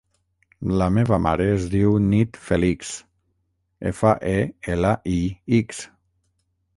La meva mare es diu Nit Felix: efa, e, ela, i, ics.